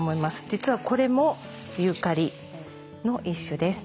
実はこれもユーカリの一種です。